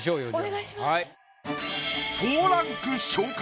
お願いします。